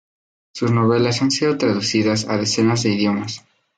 Sus novelas han sido traducidas a decenas de idiomas.